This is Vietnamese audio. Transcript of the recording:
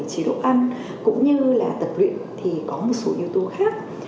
chế độ ăn cũng như là tập luyện thì có một số yếu tố khác